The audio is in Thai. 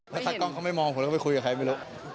ถ้าทักกองเขาไม่มองผมแล้วก็ไม่คุยกับใครไม่รู้